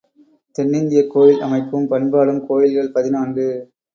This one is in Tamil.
தென்னிந்தியக் கோயில் அமைப்பும் பண்பாடும் கோயில்கள் பதினான்கு .